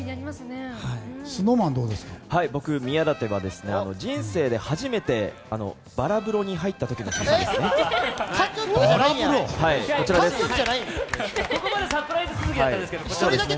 僕、宮舘は人生で初めてバラ風呂に入った時の写真ですね。